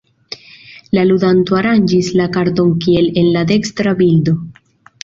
La ludanto aranĝis la karton kiel en la dekstra bildo.